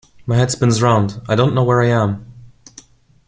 My head spins round: I don't know where I am.